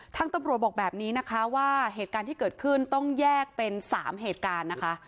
ทางตำรวจบอกแบบนี้นะคะว่าเหตุการณ์ที่เกิดขึ้นต้องแยกเป็น๓เหตุการณ์นะคะ